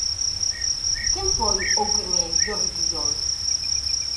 Quen foi, ou quen é Jordi Pujol?